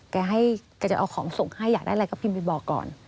แกให้แกจะเอาของส่งให้อยากได้อะไรก็พิมพ์ไปบอกก่อน